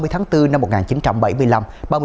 ba mươi tháng bốn năm một nghìn chín trăm bảy mươi năm